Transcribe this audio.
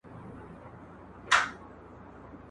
ډیپلوماسي باید د شخړو د ختمولو وسیله وي.